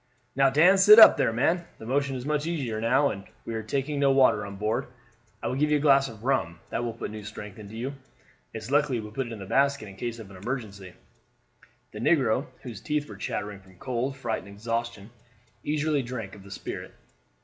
"Now, Dan, sit up; there, man, the motion is much easier now, and we are taking no water on board. I will give you a glass of rum, that will put new strength into you. It's lucky we put it in the basket in case of emergency." The negro, whose teeth were chattering from cold, fright, and exhaustion, eagerly drank off the spirit.